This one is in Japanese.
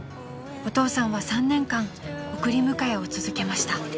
［お父さんは３年間送り迎えを続けました］